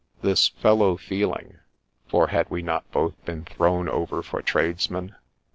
This fellow feeling (for had we not both been thrown over for tradesmen?)